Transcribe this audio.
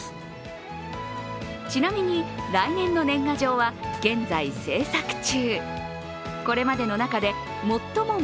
ちなみに、来年の年賀状は現在、制作中。